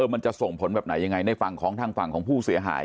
มันจะส่งผลแบบไหนยังไงในฝั่งของทางฝั่งของผู้เสียหาย